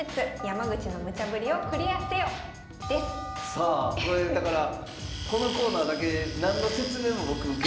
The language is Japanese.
さあこれだからこのコーナーだけ何の説明も僕受けてないんですよ。